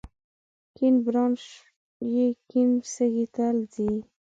کیڼ برانش یې کیڼ سږي ته ځي.